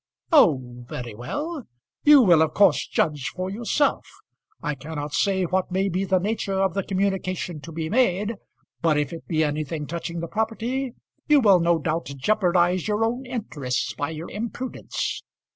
"Oh, very well; you will of course judge for yourself. I cannot say what may be the nature of the communication to be made; but if it be anything touching the property, you will no doubt jeopardise your own interests by your imprudence."